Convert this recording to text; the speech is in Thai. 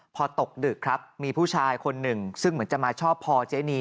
พอตกดึกครับมีผู้ชายคนหนึ่งซึ่งเหมือนจะมาชอบพอเจนี